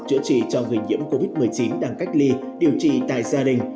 chữa trị cho người nhiễm covid một mươi chín đang cách ly điều trị tại gia đình